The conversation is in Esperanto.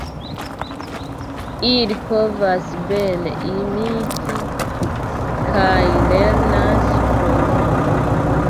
Ili povas bene imiti, kaj lernas volonte.